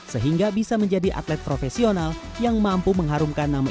sehingga bisa menjadi atlet profesional yang mampu mengharumkan nama